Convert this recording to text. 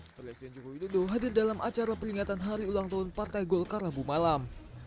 presiden joko widodo hadir dalam acara peringatan hari ulang tahun partai golkar rabu malam